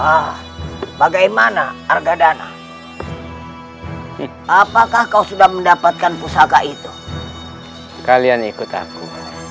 ah bagaimana harga dana apakah kau sudah mendapatkan pusaka itu kalian ikut aku